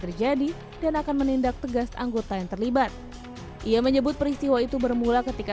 terjadi dan akan menindak tegas anggota yang terlibat ia menyebut peristiwa itu bermula ketika